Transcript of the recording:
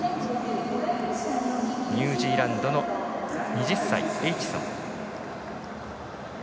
ニュージーランドの２０歳、エイチソン。